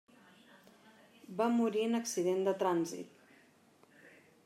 Va morir en accident de trànsit.